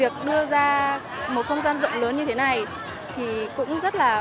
cũng rất là